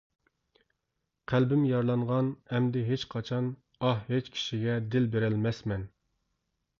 قەلبىم يارىلانغان، ئەمدى ھېچقاچان ئاھ، ھېچ كىشىگە دىل بېرەلمەسمەن.